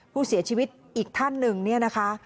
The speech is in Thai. ผู้เสียชีวิตอีกท่านหนึ่งเนี่ยนะคะ